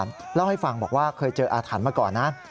เล่าให้ฟังบอกว่าเคยเจออาถรรพ์มาก่อนนะ